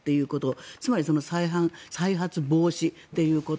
つまり再発防止ということ